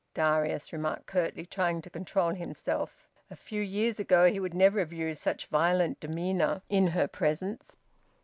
Darius remarked curtly, trying to control himself. A few years ago he would never have used such violent demeanour in her presence.